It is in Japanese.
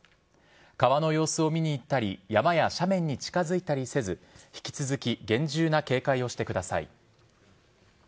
川の様子を見に行ったり、山や斜面に近づいたりせず引き続き厳重な警戒をしてください。